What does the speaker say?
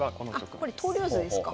あこれ投了図ですか。